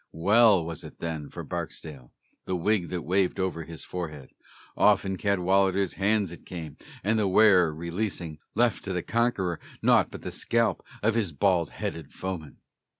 Well was it then for Barksdale, the wig that waved over his forehead: Off in Cadwallader's hands it came, and, the wearer releasing, Left to the conqueror naught but the scalp of his bald headed foeman.